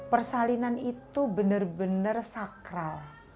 persalinan itu benar benar sakral